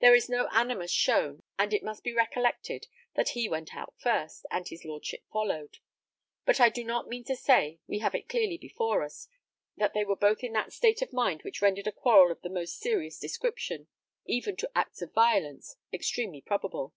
There is no animus shown, and it must be recollected that he went out first, and his lordship followed; but I do mean to say we have it clearly before us, that they were both in that state of mind which rendered a quarrel of the most serious description, even to acts of violence, extremely probable.